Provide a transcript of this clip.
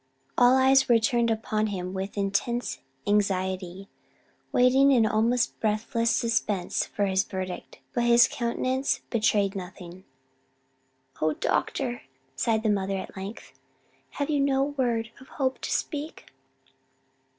All eyes were turned upon him with intense anxiety, waiting in almost breathless suspense for his verdict; but his countenance betrayed nothing. "O doctor!" sighed the mother at length, "have you no word of hope to speak?"